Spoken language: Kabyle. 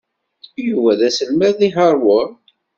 Yuba d aselmad deg Harvard.